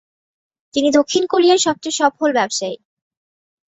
তিনি দক্ষিণ কোরিয়ার সবচেয়ে সফল ব্যবসায়ী।